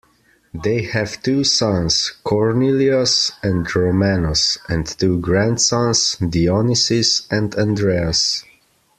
They have two sons, Kornilios and Romanos, and two grandsons, Dionisis and Andreas.